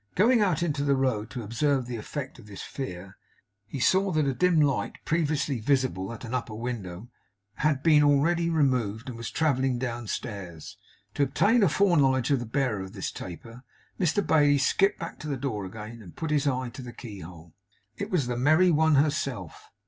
Going out into the road to observe the effect of this feat, he saw that a dim light, previously visible at an upper window, had been already removed and was travelling downstairs. To obtain a foreknowledge of the bearer of this taper, Mr Bailey skipped back to the door again, and put his eye to the keyhole. It was the merry one herself.